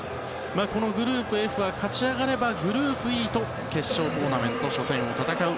このグループＦは勝ち上がればグループＥと決勝トーナメント初戦を戦う。